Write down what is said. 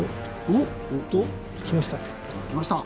きました。